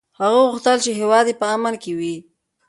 هغه غوښتل چې هېواد یې په امن کې وي.